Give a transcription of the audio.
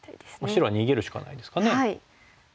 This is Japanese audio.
白は逃げるしかないですかね。